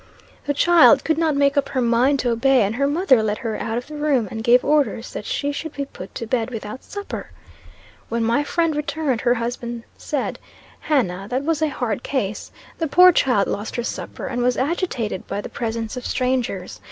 The child could not make up her mind to obey; and her mother led her out of the room, and gave orders that she should be put to bed without supper. When my friend returned, her husband said, 'Hannah, that was a hard case. The poor child lost her supper, and was agitated by the presence of strangers.